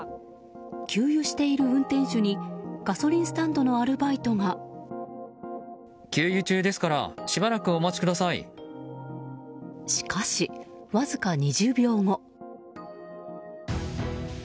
給油している運転手にガソリンスタンドのしかし、わずか２０秒後。